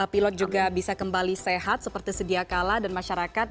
pilot juga bisa kembali sehat seperti sedia kala dan masyarakat